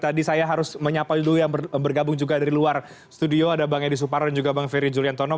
tadi saya harus menyapa dulu yang bergabung juga dari luar studio ada bang edi suparno dan juga bang ferry juliantono